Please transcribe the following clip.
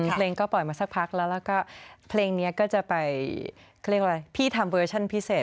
เพลงก็ปล่อยมาสักพักแล้วแล้วก็เพลงนี้ก็จะไปเขาเรียกอะไรพี่ทำเวอร์ชั่นพิเศษ